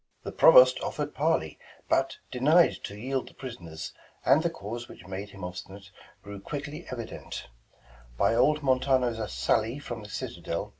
Balt. The Provost offered parley, but denied To yield the pris'ners, and the cause which made Him obstinate grew quickly evident ; By old Montano's sally from the citadel.